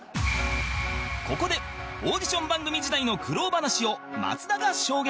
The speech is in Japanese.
ここでオーディション番組時代の苦労話を松田が証言